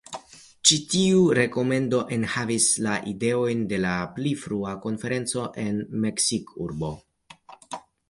Ĉi tiu rekomendo enhavis la ideojn de la pli frua konferenco en Meksikurbo.